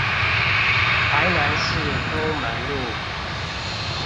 臺南市東門路